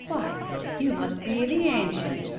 'W'y, you must be the Ancient!'